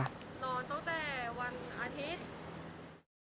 นอนตั้งแต่วันอาทิตย์